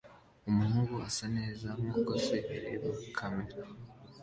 Umuhungu asa neza nkuko se areba kamera